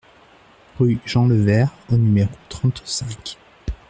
Rue Jean Levert au numéro trente-cinq